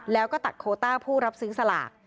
แล้วก็ตัดโคต้าผู้รับซื้อสลาก